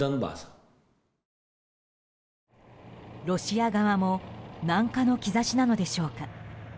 ロシア側も軟化の兆しなのでしょうか。